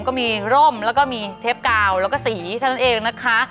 ก็มีเร่มกับเทปก่าวแล้วก็สีจนกันเองนะคะ